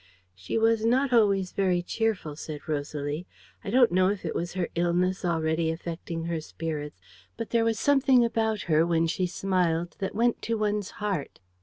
"'She was not always very cheerful,' said Rosalie. 'I don't know if it was her illness already affecting her spirits, but there was something about her, when she smiled, that went to one's heart.'